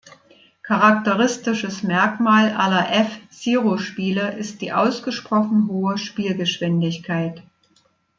Charakteristisches Merkmal aller "F-Zero"-Spiele ist die ausgesprochen hohe Spielgeschwindigkeit.